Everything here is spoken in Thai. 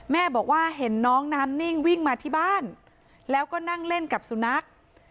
แม่บอกว่าเห็นน้องน้ำนิ่งวิ่งมาที่บ้านแล้วก็นั่งเล่นกับสุนัข